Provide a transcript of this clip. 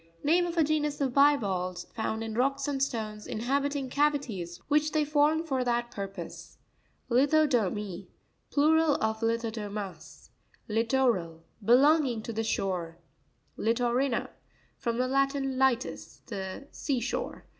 Name of a genus of bivalves found in rocks and stones, inhabiting cavities which they form for that purpose. Litxo'pomt.—Plural of Lithodomus. Li'troraL.—Belonging to the shore, Lirrori'na.—From the Latin, litus, the sea shore.